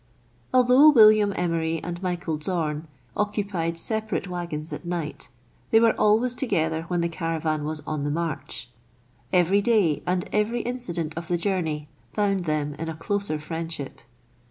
Although William Emery and Michael Zorn occupied separate waggons at night, they were always together when the caravan was on the march. Every day and every incident of the journey bound them in a closer friendship.